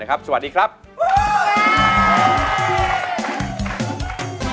ในรายการร้องได้ให้ร้านลูกทุ่งสู้ชีวิต